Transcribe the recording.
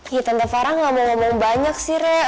ih tante farah gak mau ngomong banyak sih rek